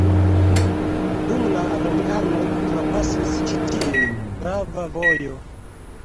Dum la romianoj trapasis ĉi tie grava vojo.